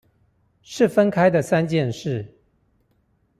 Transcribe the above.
是分開的三件事